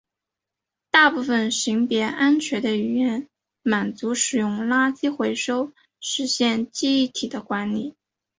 大部分型别安全的语言满足使用垃圾回收实现记忆体的管理。